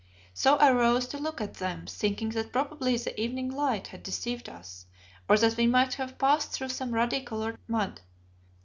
So I rose to look at them, thinking that probably the evening light had deceived us, or that we might have passed through some ruddy coloured mud.